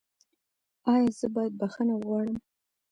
ایا زه باید بخښنه وغواړم؟